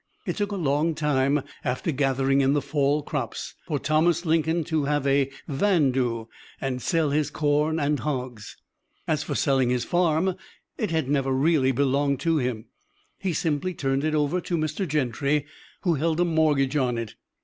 It took a long time, after gathering in the fall crops, for Thomas Lincoln to have a "vandoo" and sell his corn and hogs. As for selling his farm, it had never really belonged to him. He simply turned it over to Mr. Gentry, who held a mortgage on it.